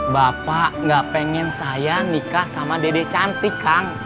bapak gak pengen saya nikah sama dede cantik kang